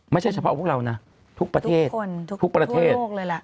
ไม่ใช่เฉพาะพวกเรานะทุกประเทศทุกคนทุกโลกเลยล่ะ